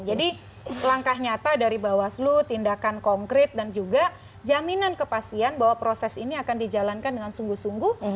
jadi langkah nyata dari bawaslu tindakan konkret dan juga jaminan kepastian bahwa proses ini akan dijalankan dengan sungguh sempurna